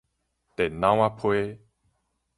電腦仔批